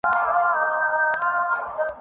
صد گلستاں نِگاه کا ساماں کئے ہوے